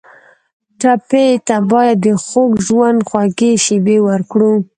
ټپي ته باید د خوږ ژوند خوږې شېبې ورکړو.